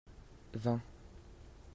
vingt.